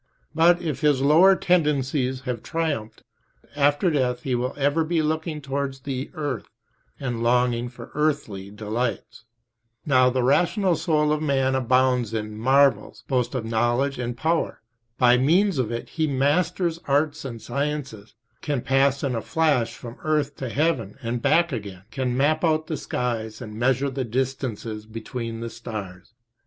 But if his lower tendencies have triumphed, after death he will ever be looking towards the earth and longing for earthly delights. Now the rational soul in man abounds in, marvels, both of knowledge and power. By means of it he masters arts and sciences, can pass in a flash from earth to heaven and back again, can map out the skies and measure the distances between the stars.